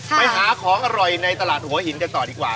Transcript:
ไปหาของอร่อยในตลาดหัวหินกันต่อดีกว่า